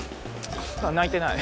泣いてない。